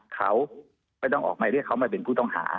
เขาไม่ต้องออกหมายเรียกเขามาเป็นผู้ต้องหา